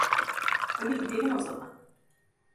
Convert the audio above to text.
Hadi gidelim o zaman.